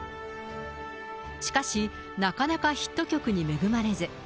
しかし、なかなかヒット曲に恵まれず。